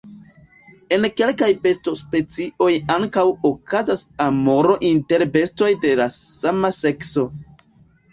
En kelkaj besto-specioj ankaŭ okazas amoro inter bestoj de la sama sekso.